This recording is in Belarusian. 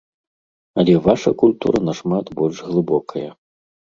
Але ваша культура нашмат больш глыбокая.